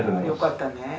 よかったね。